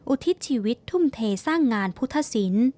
อุทิศชีวิตทุ่มเทสร้างงานพุทธศิลป์